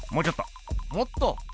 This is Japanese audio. もっと。